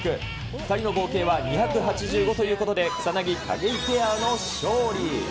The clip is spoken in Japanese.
２人の合計は２８５ということで、草薙・景井ペアの勝利。